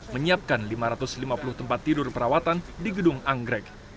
menyiapkan lima ratus lima puluh tempat tidur perawatan di gedung anggrek